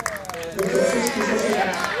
د جاسوس کيسه څه ده؟